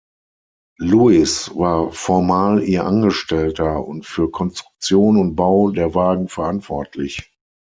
Louis war formal ihr Angestellter und für Konstruktion und Bau der Wagen verantwortlich.